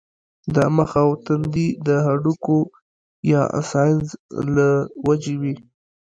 د مخ او تندي د هډوکو يا سائنسز له وجې